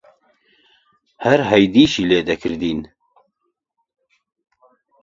هەر هەیدیشی لێ دەکردین: